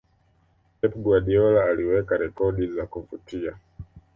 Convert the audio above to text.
pep guardiola aliweka rekodi za kuvutia